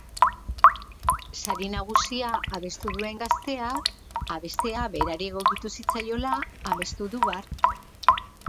Sari nagusia abestu duen gazteak abestea berari egokituko zitzaiola amestu du bart.